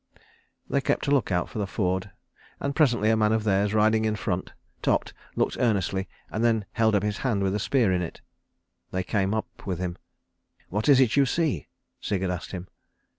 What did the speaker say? They kept a look out for the ford, and presently a man of theirs, riding in front, topped, looked earnestly, and then held up his hand with a spear in it. They came up with him. "What is it you see?" Sigurd asked him.